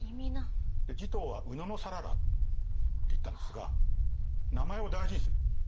持統は野讃良っていったんですが名前を大事にする。